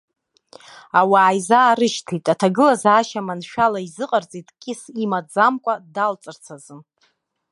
Ауаа изаарышьҭит, аҭагылазаашьа маншәала изыҟарҵеит кьыс имаӡамкәа далҵырц азы.